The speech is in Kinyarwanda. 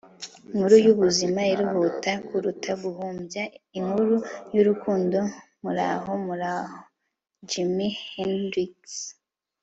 inkuru y'ubuzima irihuta kuruta guhumbya, inkuru y'urukundo muraho, muraho - jimi hendrix